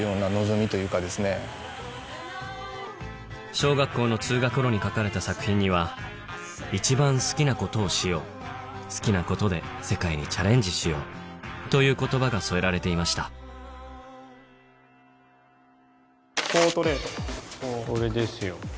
小学校の通学路に描かれた作品には「いちばん好きなことをしよう好きなことで世界にチャレンジしよう」という言葉が添えられていました俺ですよ。